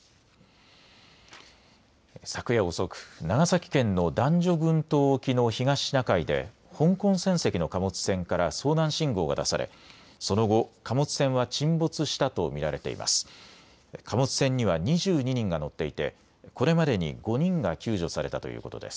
昨夜遅く、長崎県の男女群島沖の東シナ海で香港船籍の貨物船から遭難信号が出されその後、貨物船は沈没したと見られています。